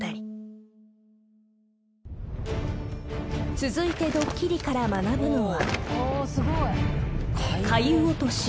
［続いてドッキリから学ぶのは］